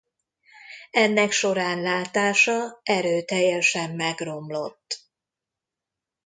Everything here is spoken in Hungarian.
Ennek során látása erőteljesen megromlott.